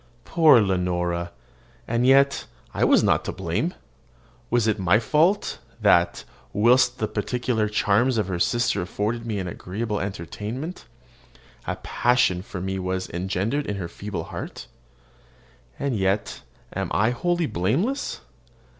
Poor Leonora! and yet I was not to blame. Was it my fault, that, whilst the peculiar charms of her sister afforded me an agreeable entertainment, a passion for me was engendered in her feeble heart? And yet am I wholly blameless?